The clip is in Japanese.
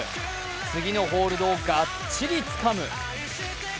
次のホールドをがっちりつかむ。